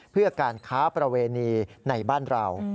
เพื่อการค้าประเวณีในบ้านเรา